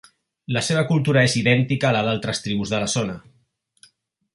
La seva cultura és idèntica a la d'altres tribus de la zona.